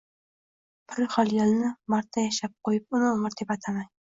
Bir xil yilni marta yashab qo’yib uni umr deb atamang